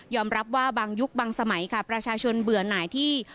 รับว่าบางยุคบางสมัยค่ะประชาชนเบื่อหน่ายที่